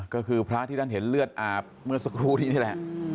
ก็คือพระที่ท่านเห็นเลือดอาบเมื่อสักครู่ที่นี่แหละ